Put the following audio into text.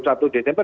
ya lebih baik